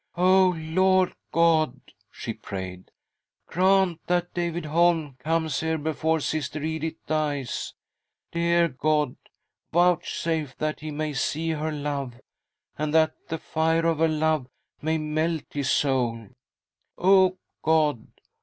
" Oh, Lord God !" she prayed, " grant that David Holm comes here before Sister Edith dies ! Dear God ! vouchsafe that he may see her love, and that the fire of her love may melt his soul I Oh; God